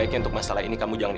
oh enggak ya soalnya kamu sengaja